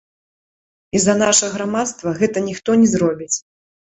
І за наша грамадства гэта ніхто не зробіць.